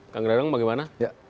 kang gerereng bagaimana